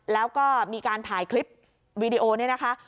แล้วก็มีการถ่ายคลิปวีดีโอเนี่ยนะคะ